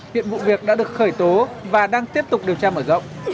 hiện vụ việc đã được khởi tố và đang tiếp tục điều tra mở rộng